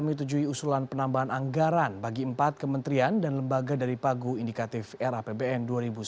menyetujui usulan penambahan anggaran bagi empat kementerian dan lembaga dari pagu indikatif era pbn dua ribu sembilan belas